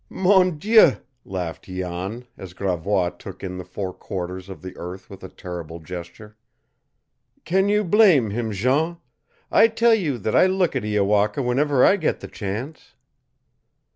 "Mon Dieu!" laughed Jan, as Gravois took in the four quarters of the earth with a terrible gesture. "Can you blame him, Jean? I tell you that I look at Iowaka whenever I get the chance!"